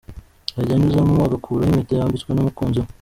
Ajya anyuzamo agakuraho impeta yambitswe n’umukunzi we.